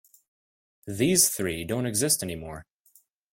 These three don't exist anymore.